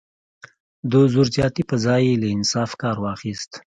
د زور زیاتي پر ځای یې له انصاف کار واخیست.